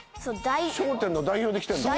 『笑点』の代表で来てんの？